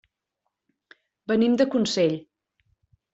Venim de Consell.